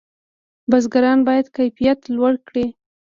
بزګران باید کیفیت لوړ کړي.